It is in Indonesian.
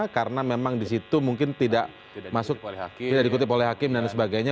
karena memang di situ mungkin tidak masuk tidak dikutip oleh hakim dan sebagainya